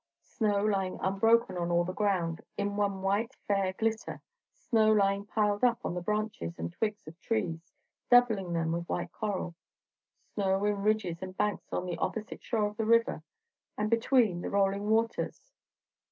Snow lying unbroken on all the ground, in one white, fair glitter; snow lying piled up on the branches and twigs of trees, doubling them with white coral; snow in ridges and banks on the opposite shore of the river; and between, the rolling waters.